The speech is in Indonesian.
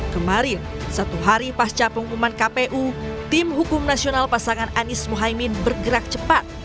kemarin satu hari pasca pengumuman kpu tim hukum nasional pasangan anies mohaimin bergerak cepat